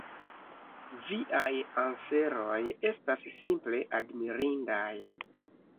Viaj anseroj estas simple admirindaj.